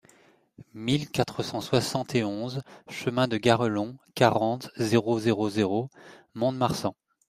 mille quatre cent soixante et onze chemin de Garrelon, quarante, zéro zéro zéro, Mont-de-Marsan